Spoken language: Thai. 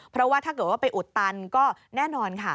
เพราะว่าถ้าเกิดว่าไปอุดตันก็แน่นอนค่ะ